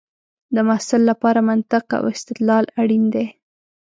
د محصل لپاره منطق او استدلال اړین دی.